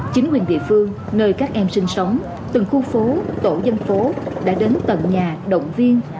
chính quyền địa phương nơi các em sinh sống từng khu phố tổ dân phố đã đến tận nhà động viên